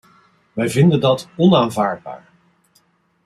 Wij vinden dat onaanvaardbaar.